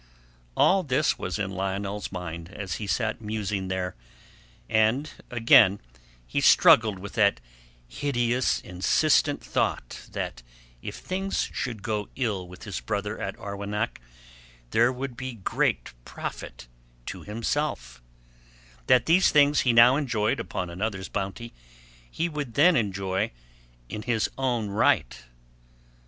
All this was in Lionel's mind as he sat musing there, and again he struggled with that hideous insistent thought that if things should go ill with his brother at Arwenack, there would be great profit to himself; that these things he now enjoyed upon another's bounty he would then enjoy in his own right.